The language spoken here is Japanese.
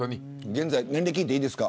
年齢、聞いていいですか。